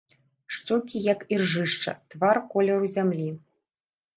Шчокі як іржышча, твар колеру зямлі.